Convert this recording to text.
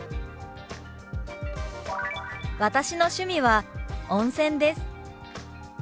「私の趣味は温泉です」。